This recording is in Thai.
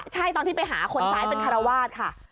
ใช่ตอนที่ไปหาคนซ้ายเป็นคารวาสค่ะ